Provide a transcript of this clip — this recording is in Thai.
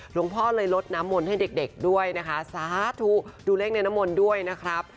หลวงพ่อเลยลดน้ำมนต์ให้เด็กด้วยนะคะสาธุดูเลขในน้ำมนต์ด้วยนะครับ